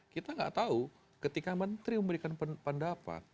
kita nggak tahu ketika menteri memberikan pendapat